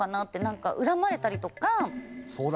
なんか恨まれたりとか。